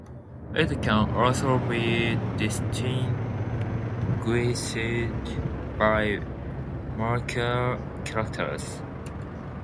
It can also be distinguished by molecular characters.